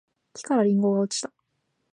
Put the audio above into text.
木からりんごが落ちた